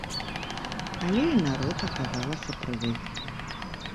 Але і народ, аказалася, прывык.